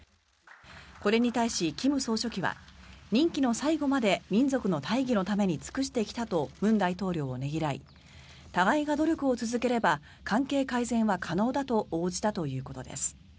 これに対し、金総書記は任期の最後まで民族の大義のために尽くしてきたと文大統領をねぎらい互いが努力を続ければ関係改善は可能だと応じたということです。